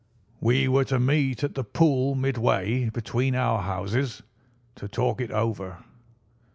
We were to meet at the pool midway between our houses to talk it over.